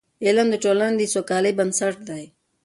علم د ټولني د سوکالۍ بنسټ دی.